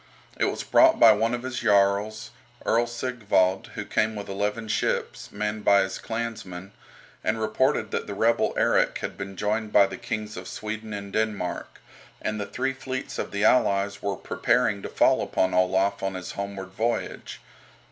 It was brought by one of his jarls, Earl Sigvald, who came with eleven ships, manned by his clansmen, and reported that the rebel Erik had been joined by the kings of Sweden and Denmark, and the three fleets of the allies were preparing to fall upon Olaf on his homeward voyage.